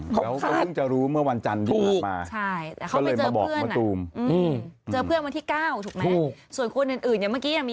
เขาคาดถูกใช่แต่เขาไปเจอเพื่อนอืมเจอเพื่อนวันที่๙ถูกไหม